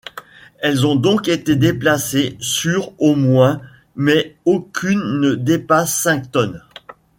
Elles ont donc été déplacées sur au moins mais aucune ne dépassent cinq tonnes.